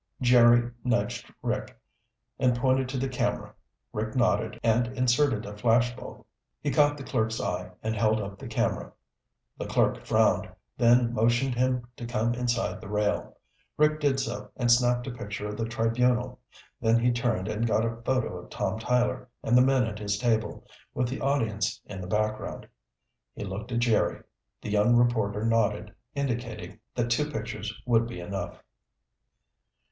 Jerry nudged Rick and pointed to the camera. Rick nodded and inserted a flash bulb. He caught the clerk's eye and held up the camera. The clerk frowned, then motioned him to come inside the rail. Rick did so and snapped a picture of the tribunal. Then he turned and got a photo of Tom Tyler and the men at his table, with the audience in the background. He looked at Jerry. The young reporter nodded, indicating that two pictures would be enough.